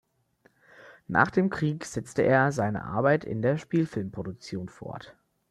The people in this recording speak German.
Nach dem Krieg setzte er seine Arbeit in der Spielfilmproduktion fort.